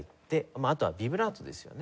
あとはビブラートですよね。